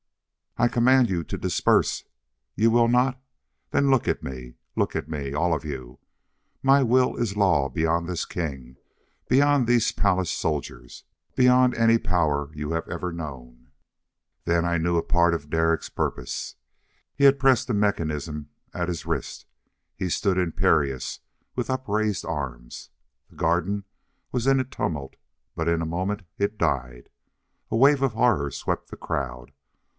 "I command you to disperse. You will not? Then look at me! Look at me, all of you. My will is law beyond this king beyond these palace soldiers beyond any power you have ever known." Then I knew a part of Derek's purpose! He had pressed the mechanism at his wrist. He stood imperious with upraised arms. The garden was in a tumult, but in a moment it died. A wave of horror swept the crowd.